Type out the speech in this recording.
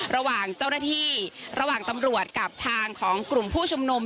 ระหว่างเจ้าหน้าที่ระหว่างตำรวจกับทางของกลุ่มผู้ชุมนุม